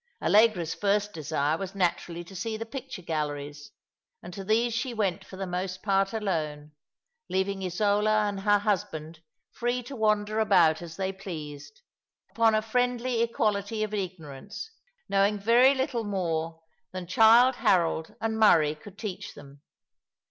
Allegra's first desire was naturally to see the picture galleries, and to these Bhe went for the most part alone, leaving Isola and her husband free to wander about as they pleased, upon a friendly equality of ignorance, knowing very little more than Childe Harold and Murray could teach them.